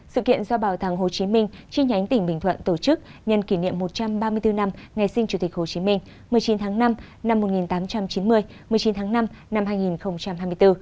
sự kiện do bảo tàng hồ chí minh chi nhánh tỉnh bình thuận tổ chức nhân kỷ niệm một trăm ba mươi bốn năm ngày sinh chủ tịch hồ chí minh một mươi chín tháng năm năm một nghìn tám trăm chín mươi một mươi chín tháng năm năm hai nghìn hai mươi bốn